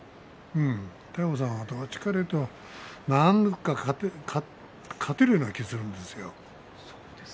大鵬さんはどちらかというと勝てるような気がするんですよね。